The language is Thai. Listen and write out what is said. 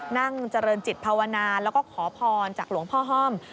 นั่งเจริญจิตภาวนาแล้วก็ขอพรจากหลวงพ่อห้อม